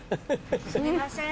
すみません。